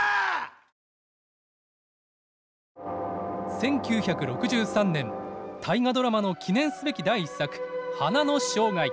１９６３年「大河ドラマ」の記念すべき第１作「花の生涯」。